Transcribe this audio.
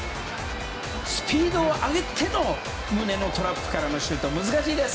スピードを上げての胸トラップからのシュートは難しいです！